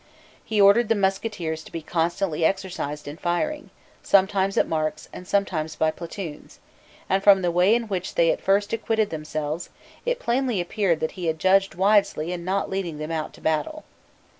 He ordered the musketeers to be constantly exercised in firing, sometimes at marks and sometimes by platoons; and, from the way in which they at first acquitted themselves, it plainly appeared that he had judged wisely in not leading them out to battle.